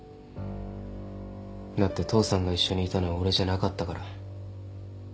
だって父さんが一緒にいたのは俺じゃなかったから。